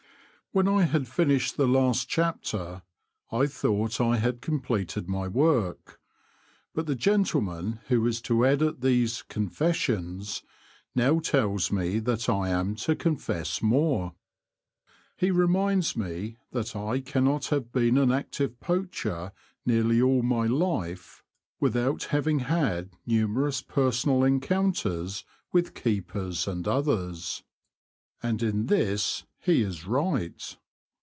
HE7^ I had finished the last chapter I thought I had completed my work, but the gentleman who is to edit these '^ Confessions " now tells me that I am to confess more. He reminds me that I cannot have been an active poacher nearly all my life without having had numerous personal 152 The Confessions of a Poacher. encounters with keepers and others. And in this he is right.